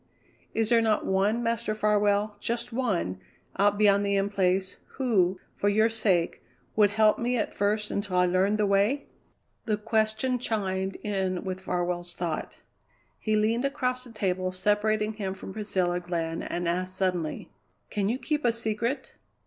"Is there not one, Master Farwell, just one, out beyond the In Place, who, for your sake, would help me at first until I learned the way?" The question chimed in with Farwell's thought. He leaned across the table separating him from Priscilla Glenn and asked suddenly: "Can you keep a secret?"